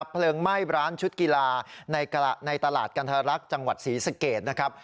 เพลิงไหม้ร้านชุดกีฬาในตลาดกันทรรักษ์จังหวัดศรีสเกตนะครับ